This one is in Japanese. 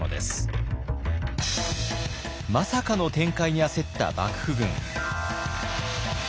まさかの展開に焦った幕府軍。